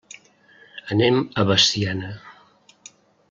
Anem a Veciana.